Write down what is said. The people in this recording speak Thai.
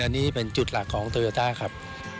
อันนี้เป็นจุดหลักของโตโยต้าครับ